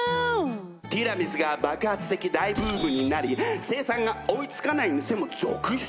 ティラミスが爆発的大ブームになり生産が追いつかない店も続出！